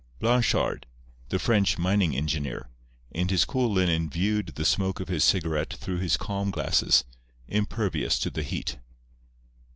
Blanchard, the French mining engineer, in his cool linen viewed the smoke of his cigarette through his calm glasses, impervious to the heat.